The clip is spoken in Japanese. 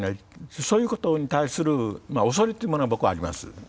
そういうことに対する恐れっていうものは僕はあります。